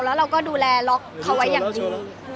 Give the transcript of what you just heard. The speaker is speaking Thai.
แล้วเราก็ดูแลล็อกเขาไว้อย่างดี